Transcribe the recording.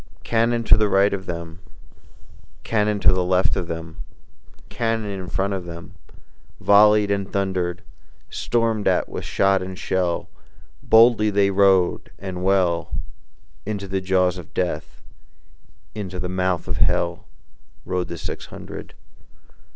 Cannon to the right of them, Cannon to the left of them, Cannon in front of them Volleyed and thunder'd; Storm'd at with shot and shell, Boldly they rode and well, Into the jaws of Death, Into the mouth of Hell, Rode the six hundred.